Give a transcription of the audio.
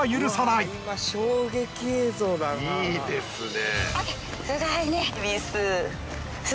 いいですね。